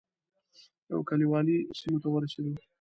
یو کلیوالي سیمې ته ورسېدو.